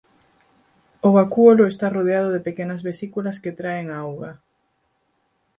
O vacúolo está rodeado de pequenas vesículas que traen a auga.